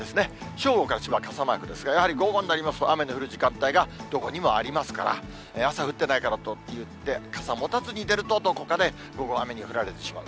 正午から千葉、傘マークですが、やはり午後になると、雨の降る時間帯がどこにもありますから、朝降ってないからといって、傘持たずに出ると、どこかで午後雨に降られてしまう。